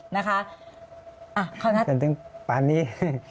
นะคะอ่ะข้าวนัสคุณถึงป่านนี้